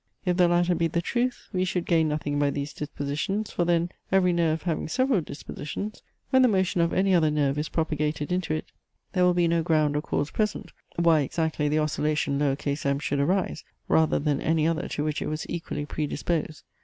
If the latter be the truth, we should gain nothing by these dispositions; for then, every nerve having several dispositions, when the motion of any other nerve is propagated into it, there will be no ground or cause present, why exactly the oscillation m should arise, rather than any other to which it was equally pre disposed.